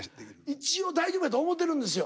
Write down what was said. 一応大丈夫やと思ってるんですよ。